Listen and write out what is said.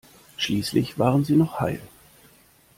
Schließlich waren sie noch heil.